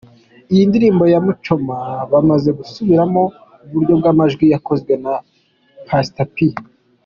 Iyi ndirimbo ya Muchoma bamaze gusubiramo, mu buryo bw’amajwi yakozwe na Pastor P.